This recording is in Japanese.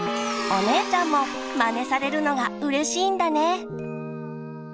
お姉ちゃんもまねされるのがうれしいんだね。